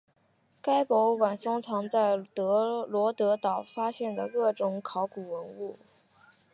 该博物馆收藏在罗得岛发现的各种考古文物。